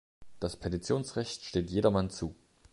Das Petitionsrecht steht Jedermann zu.